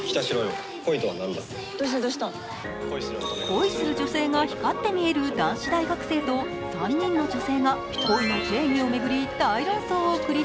恋する女性が光って見える男子大学生と３人の女性が恋の定義を巡り